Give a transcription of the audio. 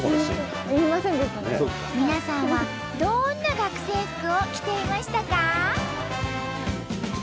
皆さんはどんな学生服を着ていましたか？